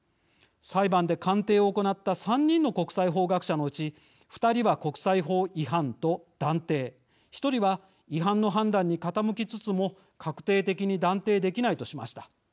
裁判で鑑定を行った３人の国際法学者のうち２人は国際法違反と断定１人は違反の判断に傾きつつも確定的に断定できないとしました。